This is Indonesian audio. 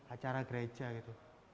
acara gereja gitu